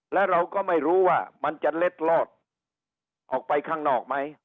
และเราก็ไม่รู้ว่ามันจะเล็ดลอดออกไปข้างนอกไหม